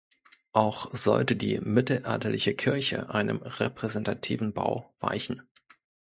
Auch sollte die mittelalterliche Kirche einem repräsentativen Bau weichen.